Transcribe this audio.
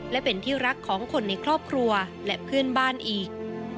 และเป็นที่รักของคนในครอบครัวและเพื่อนบ้านอีก